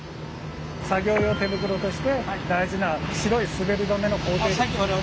作業用手袋として大事な白いすべり止めの工程です。